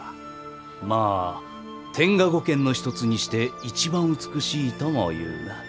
まあ天下五剣の一つにして一番美しいともいうな。